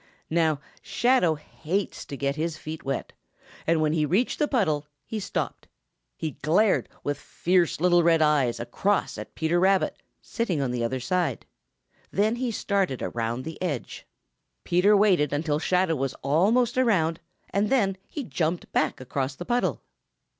Now, Shadow hates to get his feet wet, and when he reached the puddle, he stopped. He glared with fierce little red eyes across at Peter Rabbit, sitting on the other side. Then he started around the edge. Peter waited until Shadow was almost around, and then he jumped back across the puddle.